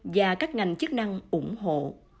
và các ngành chức năng ủng hộ